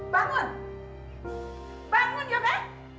bangun bangun yoga